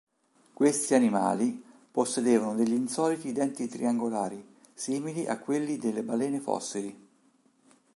Questi animali possedevano degli insoliti denti triangolari, simili a quelli delle balene fossili.